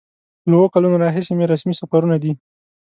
له اوو کلونو راهیسې مې رسمي سفرونه دي.